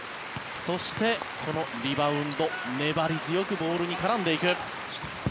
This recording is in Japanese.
そして、このリバウンド粘り強くボールに絡んでいく。